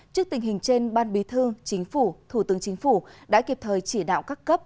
trước tình hình trên ban bí thư chính phủ thủ tướng chính phủ đã kịp thời chỉ đạo các cấp